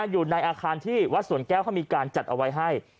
อยู่ในอาคารที่วัดสวนแก้วเขามีการจัดเอาไว้ให้